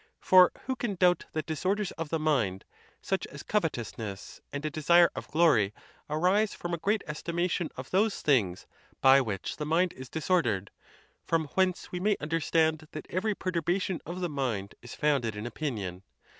for who can doubt that disorders of the mind, such as covet ousness and a desire of glory, arise from a great estima tion of those things by which the mind is disordered ? from whence we may understand that every perturbation of the mind is founded in opinion.